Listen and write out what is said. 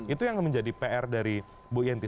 itu yang menjadi pr dari bu yenti